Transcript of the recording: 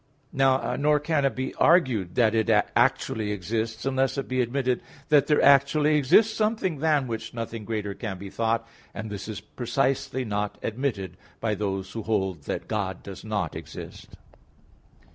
Nor can it be argued that it actually exists, unless it be admitted that there actually exists something than which nothing greater can be thought; and this precisely is not admitted by those who hold that God does not exist.